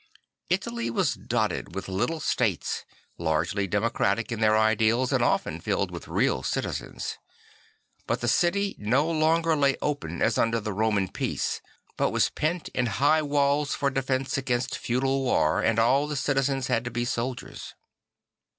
Italy was dotted with little states, largely demo cra tic in their ideals, and often filled \vi th real citizens. But the city no longer lay open as under the Roman peace, but was pent in c 34 St. Francis of Assisi high walls for defence against feudal war and all the citizens had to be soldiers.